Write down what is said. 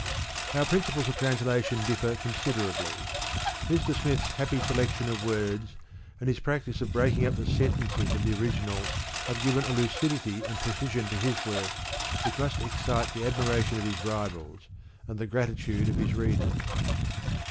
Our principles of translation differ considerably. Mr. Smith's happy selection of words and his practice of breaking up the sentences of the original, have given a lucidity and precision to his work, which must excite the admiration of his rivals and the gratitude of his readers.